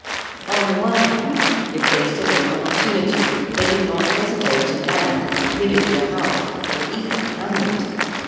On the one hand, if they saw an opportunity, they did not hesitate to land and pillage a house, or even a hamlet.